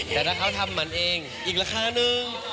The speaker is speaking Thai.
แต่ถ้าเขาทำมันเองอีกราคานึง